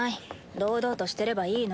堂々としてればいいの。